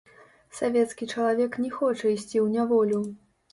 Савецкі чалавек не хоча ісці ў няволю.